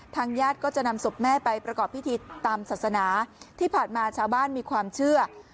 ญาติก็จะนำศพแม่ไปประกอบพิธีตามศาสนาที่ผ่านมาชาวบ้านมีความเชื่อ